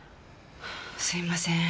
すいません